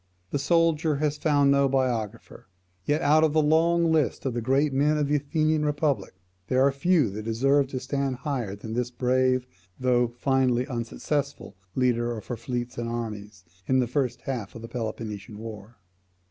The soldier has found no biographer. Yet out of the long list of the great men of the Athenian republic, there are few that deserve to stand higher than this brave, though finally unsuccessful, leader of her fleets and armies in the first half of the Peloponnesian war.